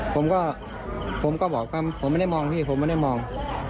ผมก็ผมก็บอกว่าผมไม่ได้มองพี่ผมไม่ได้มอง